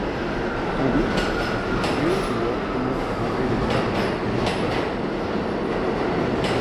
Sans doute, je suis curieuse de voir comment vous vengez les femmes, nos sœurs.